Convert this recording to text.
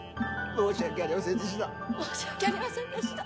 申し訳あり申し訳ありませんでした。